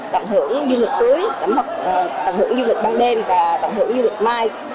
tận hưởng du lịch cưới tận hưởng du lịch ban đêm và tận hưởng du lịch mai